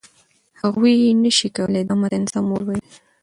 هغوی نشي کولای دا متن سم ولولي.